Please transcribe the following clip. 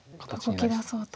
動きだそうと。